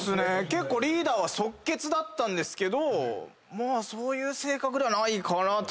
結構リーダーは即決だったんですけどそういう性格ではないかなとは。